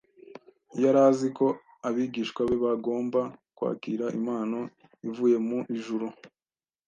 Yari azi ko abigishwa be bagomba kwakira impano ivuye mu ijuru;